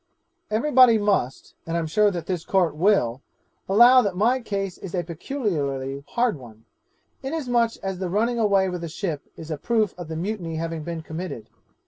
'Every body must, and I am sure that this Court will, allow that my case is a peculiarly hard one, inasmuch as the running away with the ship is a proof of the mutiny having been committed.